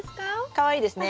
かわいいですね。